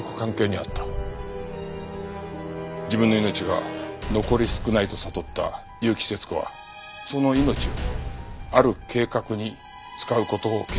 自分の命が残り少ないと悟った結城節子はその命をある計画に使う事を決意したんです。